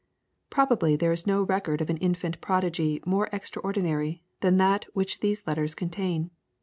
Probably there is no record of an infant prodigy more extraordinary than that which these letters contain.